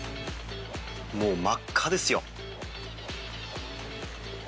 もう真っ赤ですよ。